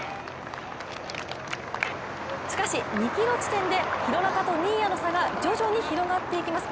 しかし２ｋｍ地点で、廣中と新谷の差が徐々に広がっていきます。